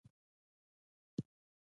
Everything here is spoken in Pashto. د اصفهان پل او جوماتونه د هنر نښه دي.